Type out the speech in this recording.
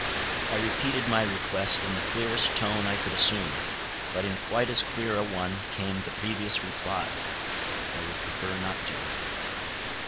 I repeated my request in the clearest tone I could assume. But in quite as clear a one came the previous reply, "I would prefer not to."